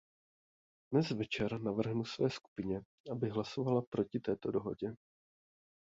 Dnes večer navrhnu své skupině, aby hlasovala proti této dohodě.